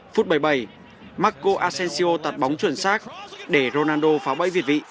phút bảy mươi bảy marco asensio tạt bóng chuẩn xác để ronaldo phá bẫy việt vị